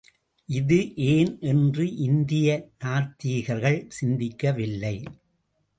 இது ஏன் என்று இந்திய நாத்திகர்கள் சிந்திக்கவில்லை.